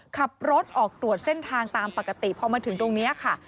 ขับรถออกตรวจเส้นทางตามปกติพอมาถึงตรงนี้ค่ะ